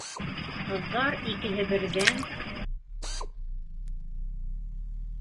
Ҡыҙҙар икеһе берҙән: